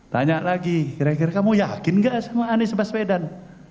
tanya lagi kira kira kamu yakin gak sama anies baswedan